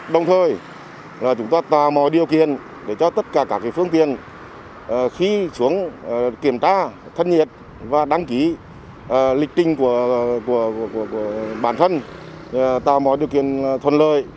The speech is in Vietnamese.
đồng thời chúng ta tạo mọi điều kiện để cho tất cả các phương tiện khi xuống kiểm tra thân nhiệt và đăng ký lịch trình của bản thân tạo mọi điều kiện thuận lợi